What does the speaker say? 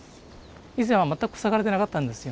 以前は全く塞がれてなかったんですよ。